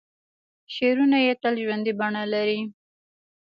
شعرونه یې تل ژوندۍ بڼه لري.